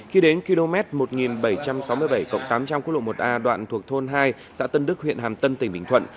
khi đến km một nghìn bảy trăm sáu mươi bảy tám trăm linh quốc lộ một a đoạn thuộc thôn hai xã tân đức huyện hàm tân tỉnh bình thuận